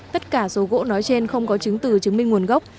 tất cả số gỗ nói trên không có chứng từ chứng minh nguồn gốc